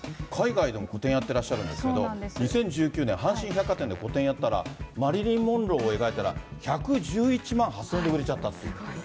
海外でも個展やってらっしゃるんですけど、２０１９年、阪神百貨店で個展やったら、マリリン・モンローが１１１万８０００円で売れちゃったという。